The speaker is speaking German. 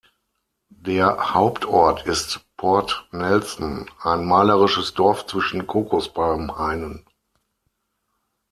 Der Hauptort ist Port Nelson, ein malerisches Dorf zwischen Kokospalmen-Hainen.